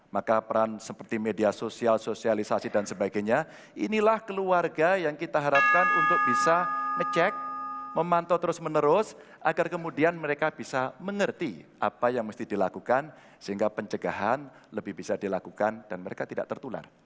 maka peran seperti media sosial sosialisasi dan sebagainya inilah keluarga yang kita harapkan untuk bisa ngecek memantau terus menerus agar kemudian mereka bisa mengerti apa yang mesti dilakukan sehingga pencegahan lebih bisa dilakukan dan mereka tidak tertular